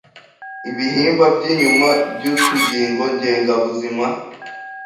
Ibihimba by'inyuma by'utugingo ngengabuzima